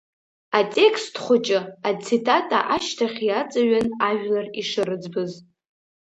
Атекст хәыҷы, ацитата ашьҭахь иаҵаҩын ажәлар ишырыӡбыз.